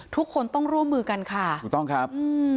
ทุกคนต้องร่วมมือกันค่ะถูกต้องครับ